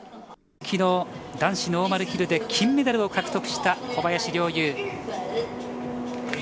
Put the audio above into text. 昨日、男子ノーマルヒルで金メダルを獲得した小林陵侑。